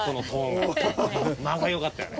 間が良かったよね。